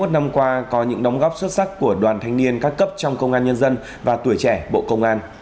hai mươi năm qua có những đóng góp xuất sắc của đoàn thanh niên các cấp trong công an nhân dân và tuổi trẻ bộ công an